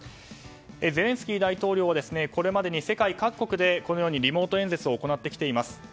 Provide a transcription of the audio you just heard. ゼレンスキー大統領はこれまでに世界各国でリモート演説を行ってきています。